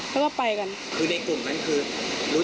เขาเป็นคนยิงเลย